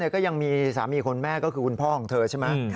ก็ยังมีสามีคนแม่ก็คือคุณพ่อของเธอใช่ไหม